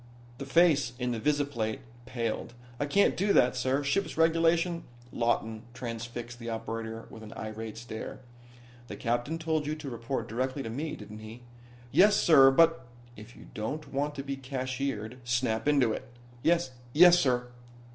The face in the visiplate paled. "I can't do that, sir. Ship's regulations " Lawton transfixed the operator with an irate stare. "The captain told you to report directly to me, didn't he?" "Yes sir, but " "If you don't want to be cashiered, snap into it." "Yes yessir."